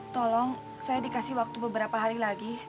tolong saya dikasih waktu beberapa hari lagi